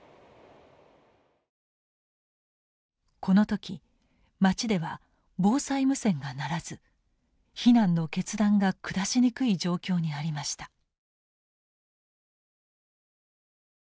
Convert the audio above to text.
この時町では防災無線が鳴らず避難の決断が下しにくい状況にありました。